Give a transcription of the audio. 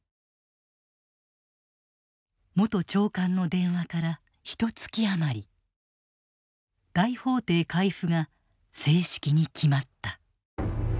元長官の電話からひとつき余り大法廷回付が正式に決まった。